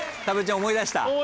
たぶっちゃん思い出した？